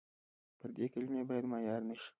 پردۍ کلمې باید معیار نه شي.